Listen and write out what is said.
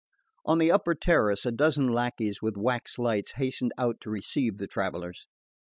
On the upper terrace a dozen lacqueys with wax lights hastened out to receive the travellers.